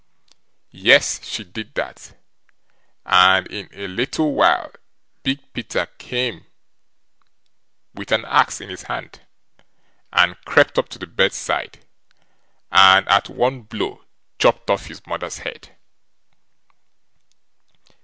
Yes, she did that, and in a little while came Big Peter with an axe in his hand, and crept up to the bedside, and at one blow chopped off his mother's head.